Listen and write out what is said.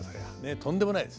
とんでもないです。